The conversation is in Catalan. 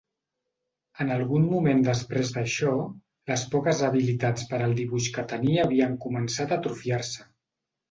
En algun moment després d'això, les poques habilitats per al dibuix que tenia havien començat a atrofiar-se.